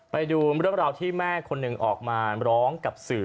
ไปดูเรื่องราวที่แม่คนหนึ่งออกมาร้องกับสื่อ